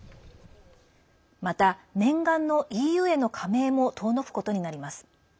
また、念願のＥＵへの加盟も遠のくことになります。